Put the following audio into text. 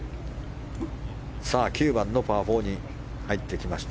９番のパー４に入ってきました。